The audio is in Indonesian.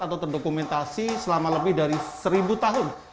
atau terdokumentasi selama lebih dari seribu tahun